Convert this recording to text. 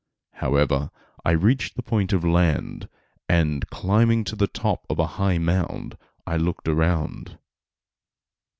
However, I reached the point of land, and climbing to the top of a high mound I looked around.